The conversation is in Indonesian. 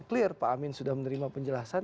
clear pak amin sudah menerima penjelasan